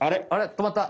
とまった。